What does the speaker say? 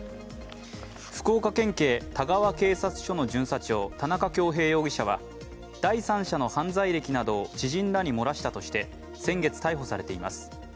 福岡県警田川警察署の巡査長田中恭平容疑者は第三者の犯罪歴などを知人らに漏らしたとして先月逮捕されています。